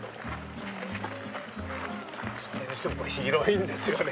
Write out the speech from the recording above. それにしても、広いんですよね。